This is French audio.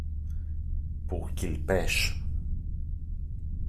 pour qu'ils pêchent.